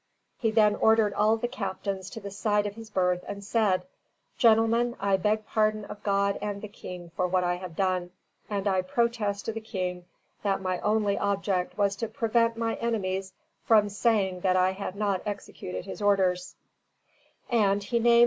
He then ordered all the captains to the side of his berth, and said, "Gentlemen, I beg pardon of God and the King for what I have done, and I protest to the King that my only object was to prevent my enemies from saying that I had not executed his orders;" and he named M.